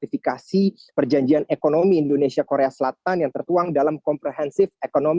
verifikasi perjanjian ekonomi indonesia korea selatan yang tertuang dalam komprehensif ekonomi